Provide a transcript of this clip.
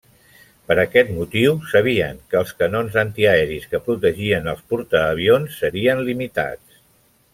Per aquest motiu, sabien que els canons antiaeris que protegien els portaavions serien limitats.